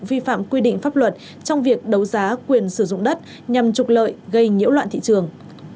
vi phạm quy định pháp luật trong việc đấu giá quyền sử dụng đất nhằm trục lợi gây nhiễu loạn thị trường